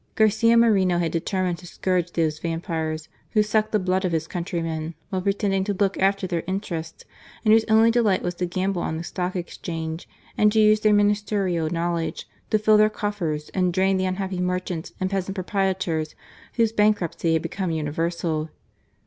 Garcia Moreno had determined to scourge those vampires who sucked the blood of his countrymen while pre tending to look after their interests, and whose only delight was to gamble on the Stock Exchange, and to use their ministerial knowledge to fill their coffers and drain the unhappy merchants and peasant pro prietors whose bankruptcy had become universal.